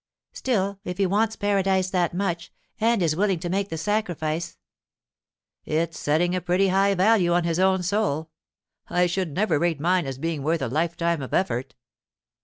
'Still, if he wants paradise that much, and is willing to make the sacrifice——' 'It's setting a pretty high value on his own soul. I should never rate mine as being worth a lifetime of effort.